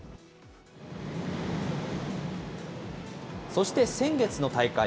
そして先月の大会。